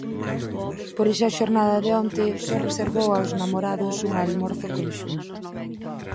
Por iso a xornada de onte só reservou aos namorados un almorzo conxunto.